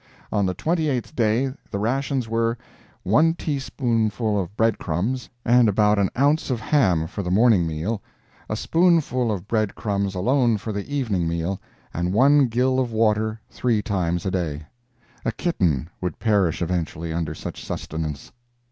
On the twenty eighth day the rations were: One teaspoonful of bread crumbs and about an ounce of ham for the morning meal; a spoonful of bread crumbs alone for the evening meal, and one gill of water three times a day! A kitten would perish eventually under such sustenance.